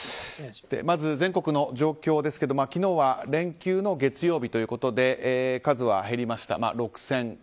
まず全国の状況ですけど昨日は連休の月曜日ということで数は減りました。